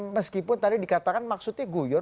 meskipun tadi dikatakan maksudnya guyor